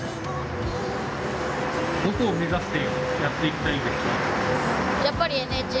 どこを目指してやっていきたいですか？